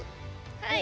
はい。